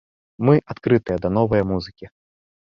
Мы адкрытыя да новая музыкі.